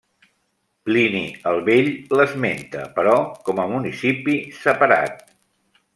Plini el Vell l'esmenta però com a municipi separat.